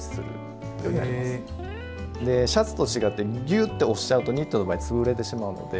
シャツと違ってギュッと押しちゃうとニットの場合つぶれてしまうので。